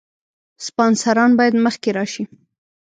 سپانسران باید مخکې راشي.